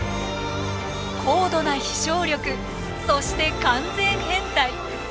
高度な飛翔力そして完全変態。